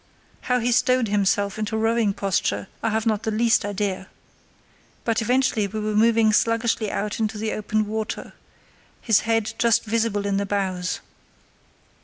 How he stowed himself into rowing posture I have not the least idea, but eventually we were moving sluggishly out into the open water, his head just visible in the bows.